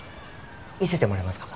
見せてもらえますか？